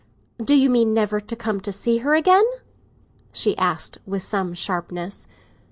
"Do you mean never to come to see her again?" she asked, with some sharpness.